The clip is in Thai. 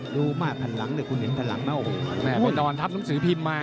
ดูไหมฝันหลังคุณเห็นฝันหลังน้องศาวน์ทัพหนุ่มสิพิมพ์มา